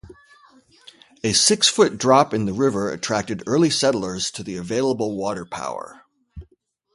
A six-foot drop in the river attracted early settlers to the available water power.